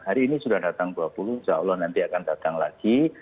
hari ini sudah datang dua puluh insya allah nanti akan datang lagi